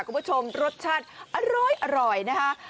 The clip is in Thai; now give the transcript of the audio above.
คุณผู้ชมรสชาติอร่อยนะคะ